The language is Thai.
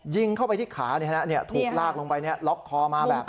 ยิงเข้าไปที่ขาถูกลากลงไปล็อกคอมาแบบนี้